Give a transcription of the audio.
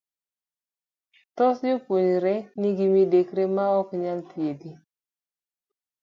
Thoth jopuonjre nigi midekre maok nyal thiedhi,